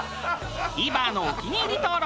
ＴＶｅｒのお気に入り登録